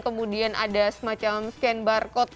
kemudian ada semacam scan barcode